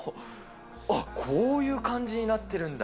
あっ、こういう感じになってるんだ。